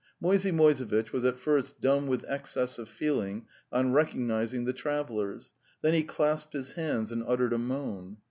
Moisey Moisevitch was at first dumb with excess of feeling on recognizing the travellers, then he clasped his hands and uttered a moan.